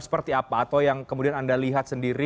seperti apa atau yang kemudian anda lihat sendiri